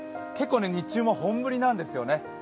結構、日中も本降りなんですよね。